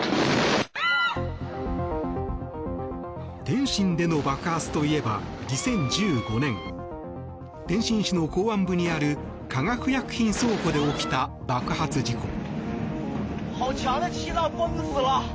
天津での爆発といえば２０１５年天津市の港湾部にある化学薬品倉庫で起きた爆発事故。